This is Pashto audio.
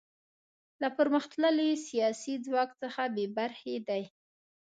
له پرمختللي سیاسي ځواک څخه بې برخې دي.